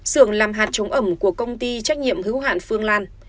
sưởng làm hạt chống ẩm của công ty trách nhiệm hữu hạn phương lan